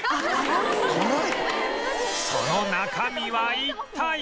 その中身は一体？